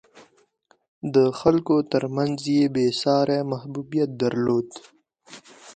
د خلکو ترمنځ یې بېساری محبوبیت درلود.